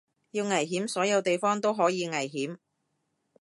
要危險所有地方都可以危險